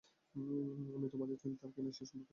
আমি তোমাদের চিনতাম কিনা সেসম্পর্কে নিশ্চিত ছিলাম না।